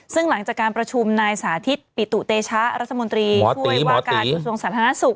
ซึ่งหลังจากการประชุมนายสาธิตปิตุเตชะรัฐมนตรีช่วยว่าการกระทรวงสาธารณสุข